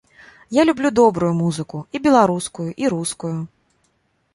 Я люблю добрую музыку, і беларускую, і рускую.